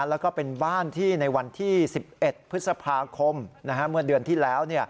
แล้วก็เป็นบ้านที่ในวันที่๑๑พฤษภาคมเมื่อเดือนที่แล้ว